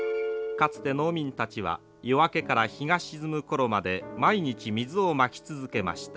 かつて農民たちは夜明けから日が沈む頃まで毎日水をまき続けました。